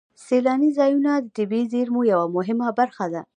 سیلاني ځایونه د طبیعي زیرمو یوه مهمه برخه ده.